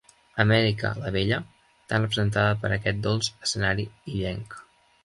Amèrica, la bella, tan representada per aquest dolç escenari illenc.